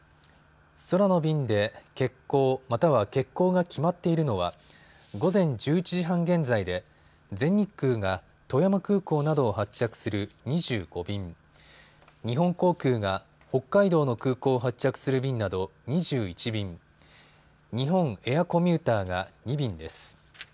空の便で欠航、または欠航が決まっているのは午前１１時半現在で全日空が富山空港などを発着する２５便、日本航空が北海道の空港を発着する便など２１便、日本エアコミューターが２便です。